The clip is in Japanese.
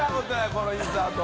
このインサート。